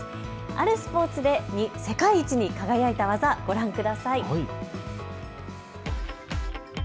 あるスポーツで世界一に輝いた技、ご覧ください。